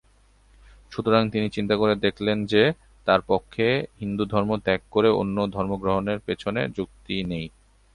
সুতরাং তিনি চিন্তা করে দেখলেন যে, তার পক্ষে হিন্দুধর্ম ত্যাগ করে অন্য কোন ধর্ম গ্রহণের পেছনে কোন যুক্তি নেই।